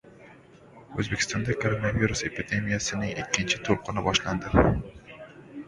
O‘zbekistonda koronavirus epidemiyasining ikkinchi to‘lqini boshlandi